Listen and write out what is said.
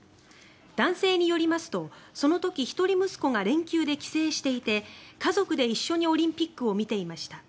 男性によりますとその時、一人息子が連休で帰省していて家族で一緒にオリンピックを見ていました。